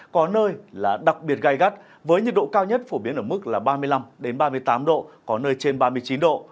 có nơi là đặc biệt gai gắt với nhiệt độ cao nhất phổ biến ở mức là ba mươi năm ba mươi tám độ có nơi trên ba mươi chín độ